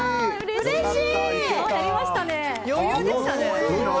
うれしい！